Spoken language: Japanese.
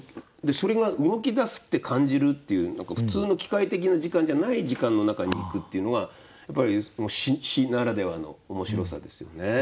でそれが動き出すって感じるっていう何か普通の機械的な時間じゃない時間の中に行くっていうのがやっぱり詩ならではの面白さですよね。